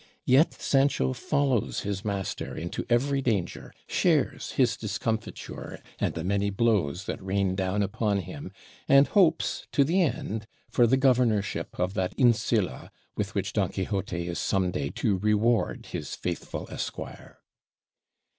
Yet Sancho follows his master into every danger, shares his discomfiture and the many blows that rain down upon him, and hopes to the end for the governorship of that Insula with which Don Quixote is some day to reward his faithful esquire.